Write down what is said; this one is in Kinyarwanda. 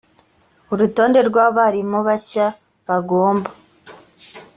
urutonde rw abarimu bashya bagomba